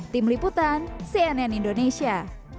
tim liputan cnn indonesia